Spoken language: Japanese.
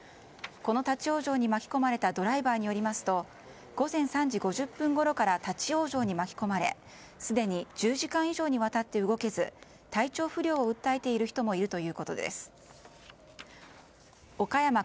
この立ち往生に巻き込まれたドライバーによりますと午前３時５０分ごろから立ち往生に巻き込まれすでに１０時間以上にわたって動けず体調不良を訴えている人もいるということです。